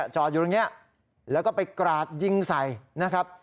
จอดอยู่ตรงนี้แล้วก็ไปกราดยิงใส่นะครับ